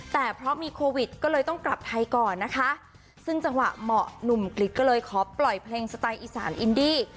แต่เพราะมีโควิดก็เลยต้องกลับไทยก่อนนะคะซึ่งจังหวะเหมาะหนุ่มกริจก็เลยขอปล่อยเพลงสไตล์อีสานอินดี้